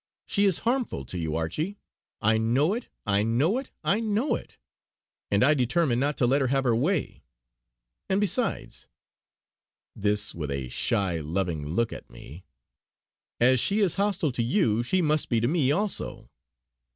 She is harmful to you, Archie. I know it! I know it! I know it! and I determined not to let her have her way. And besides," this with a shy loving look at me, "as she is hostile to you she must be to me also.